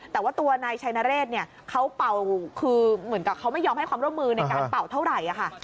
แต่ว่าตัวนายชัยนเรศเนี่ยเขาเป่าคือเหมือนกับเขาไม่ยอมให้ความร่วมมือในการเป่าเท่าไหร่ค่ะ